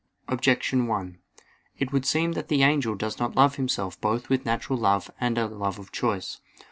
Objection 1: It would seem that the angel does not love himself both with natural love and a love of choice.